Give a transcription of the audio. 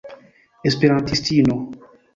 esperantistino